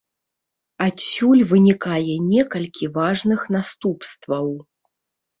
Адсюль вынікае некалькі важных наступстваў.